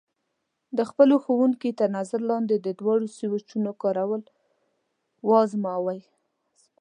د خپلو ښوونکي تر نظر لاندې د دواړو سویچونو کارول وازموئ.